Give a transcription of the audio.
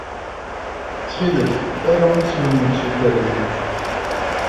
Ttxil-k, aru isem-nnek s ukeryun.